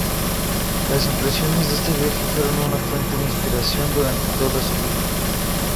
Las impresiones de este viaje fueron una fuente de inspiración durante toda su vida.